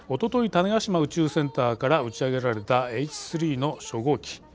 種子島宇宙センターから打ち上げられたＨ３の初号機。